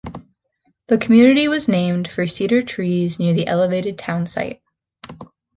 The community was named for cedar trees near the elevated town site.